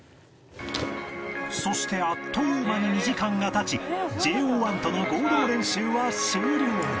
そしてあっという間に２時間が経ち ＪＯ１ との合同練習は終了